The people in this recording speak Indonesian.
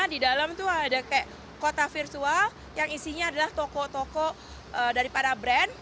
di dalam itu ada kota virtual yang isinya adalah toko toko daripada brand